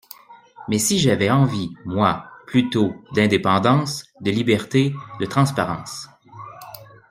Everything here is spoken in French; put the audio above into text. Mais si j’avais envie, moi, plutôt, d’indépendance, de liberté, de transparence?